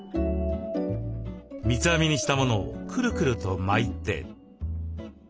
三つ編みにしたものをくるくると巻いて。